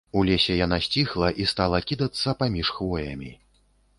У лесе яна сціхла і стала кідацца паміж хвоямі.